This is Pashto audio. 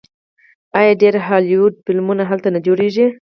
آیا ډیر هالیوډ فلمونه هلته نه جوړیږي؟